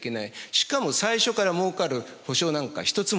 しかも最初からもうかる保証なんか一つもない。